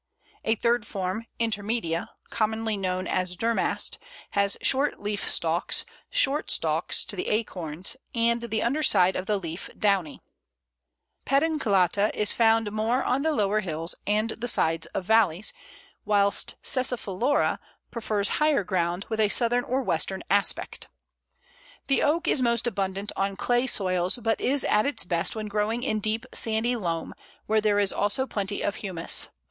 A third form (intermedia), commonly known as Durmast, has short leaf stalks, short stalks to the acorns, and the under side of the leaf downy. Pedunculata is found more on the lower hills and the sides of valleys, whilst sessiliflora prefers higher ground, with a southern or western aspect. [Illustration: Pl. 4. Bole of Oak.] [Illustration: Pl. 5. Flowers of Oak.] The Oak is most abundant on clay soils, but is at its best when growing in deep sandy loam, where there is also plenty of humus.